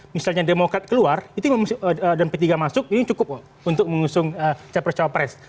misalnya demokrat keluar dan p tiga masuk ini cukup untuk mengusung capres capres